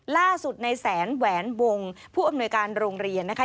ล่าสุดในแสนแหวนวงผู้อำนวยการโรงเรียนนะคะ